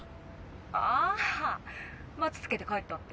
ああバツ付けて帰ったって？